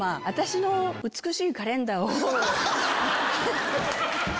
美しいカレンダーを。